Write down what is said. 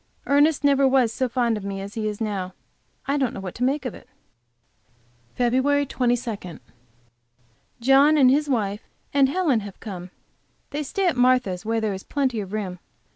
Ernest never was so fond of me as he is now. I don't know what to make of it. FEB 22. John and his wife and Helen have come. They stay at Martha's, where there is plenty of room.